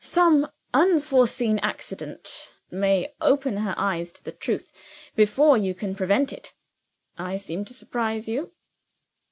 Some unforeseen accident may open her eyes to the truth, before you can prevent it. I seem to surprise you?"